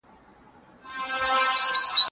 کله چې تاسو په ویروس اخته شئ بدن مو حجره جوړوي.